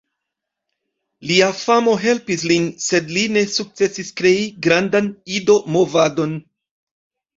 Lia famo helpis lin; sed li ne sukcesis krei grandan Ido-movadon.